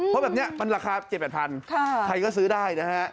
เพราะแบบนี้มันราคา๗๘๐๐ใครก็ซื้อได้นะฮะ